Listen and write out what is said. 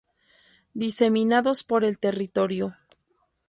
Diseminados por el territorio.